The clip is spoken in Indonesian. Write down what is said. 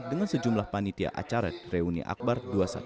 dengan sejumlah panitia acara reuni akbar dua ratus dua belas